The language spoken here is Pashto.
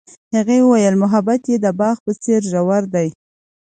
هغې وویل محبت یې د باغ په څېر ژور دی.